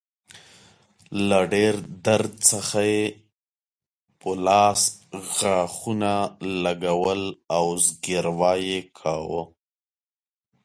له ډیر درد څخه يې په لاس غاښونه لګول او زګیروی يې کاوه.